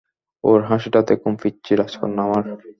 ওর হাসিটা দেখুন, পিচ্চি রাজকন্যা আমার।